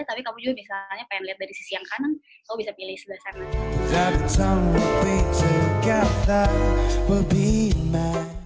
tapi kamu juga misalnya pengen lihat dari sisi yang kanan kamu bisa pilih sebelah sana